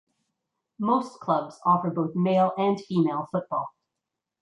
Most clubs offer both male and female football.